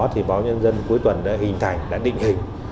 thì báo nhân dân cuối tuần đã hình thành đã định hình